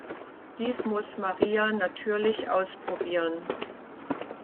Dies muss Maria natürlich ausprobieren.